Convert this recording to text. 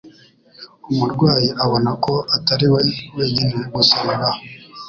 umurwayi abona ko Atari we wenyine gusa bibaho